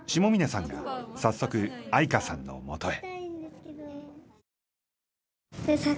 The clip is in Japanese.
さんが早速愛華さんのもとへ。